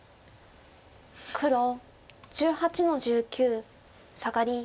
黒１８の十九サガリ。